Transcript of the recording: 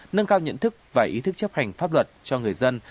nâng cao nhận thức và ý thức chấp hành pháp luật cho người dân